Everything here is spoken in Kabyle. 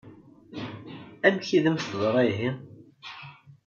Amek i d-am-teḍṛa ihi?